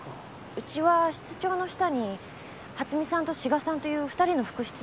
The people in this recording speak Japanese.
うちは室長の下に初見さんと志賀さんという２人の副室長がいたんです。